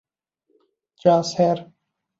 চা, স্যার।